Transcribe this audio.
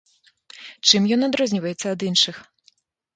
Чым ён адрозніваецца ад іншых?